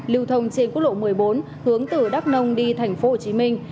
lưu thông trên quốc lộ một mươi bốn hướng từ đắk nông đi thành phố hồ chí minh